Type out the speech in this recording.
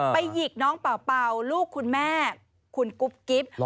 หยิกน้องเป่าลูกคุณแม่คุณกุ๊บกิ๊บ